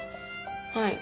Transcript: はい。